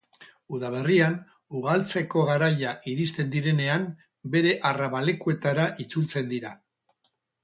Udaberrian, ugaltzeko garaia iristen direnean, bere arrabalekuetara itzultzen dira.